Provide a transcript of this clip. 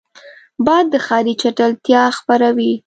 باد د ښاري چټلتیا خپروي